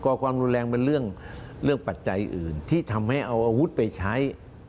ก็ความรุนแรงเป็นเรื่องปัจจัยอื่นที่ทำให้เอาอาวุธไปใช้